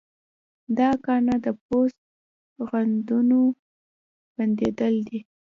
د اکنه د پوست غدودونو بندېدل دي.